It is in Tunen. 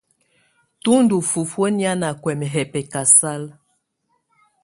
Tù ndù fufuǝ́ nɛ̀á nà kuɛmɛ yɛ̀ bɛkasala.